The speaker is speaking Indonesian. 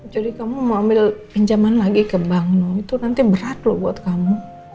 jadi kamu mau ambil pinjaman lagi ke bank itu nanti berat loh buat kamu